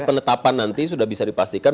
penetapan nanti sudah bisa dipastikan